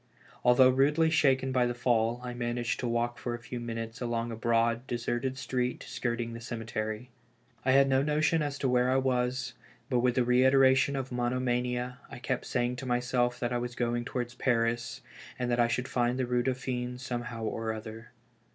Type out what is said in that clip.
Although rudely shaken by the fall, I managed to walk for a few minutes along a broad, deserted street skirting the cemetery. I had no notion as to where I was, but with the reitera tion of monomania, I kept saying to mj self that I was going towards Paris, and that I should find the Eue Dauphine somehow or other.